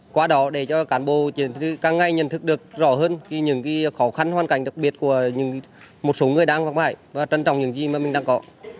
qua đó để cho cán bộ càng ngày nhận thức được rõ hơn những cái khó khăn hoàn cảnh đặc biệt của những một số người đang vắng bãi và trân trọng những gì mà mình đang có